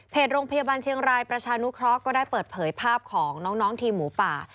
โรงพยาบาลเชียงรายประชานุเคราะห์ก็ได้เปิดเผยภาพของน้องทีมหมูป่า